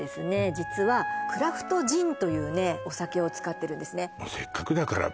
実はクラフトジンというねお酒を使ってるんですね